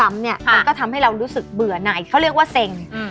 มันก็ทำให้เรารู้สึกเบื่อไหนเขาเรียกว่าเซ็ง